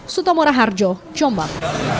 sutomora harjo jombang